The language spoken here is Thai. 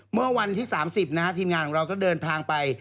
เมื่อวันที่๓๐นะฮะทีมงานของเราก็เดินทางไป